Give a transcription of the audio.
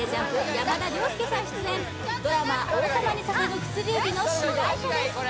山田涼介さん出演ドラマ「王様に捧ぐ薬指」の主題歌です